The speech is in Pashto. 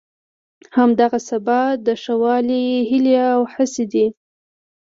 همدغه د سبا د ښه والي هیلې او هڅې دي.